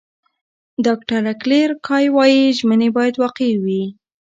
ډاکټره کلیر کای وايي، ژمنې باید واقعي وي.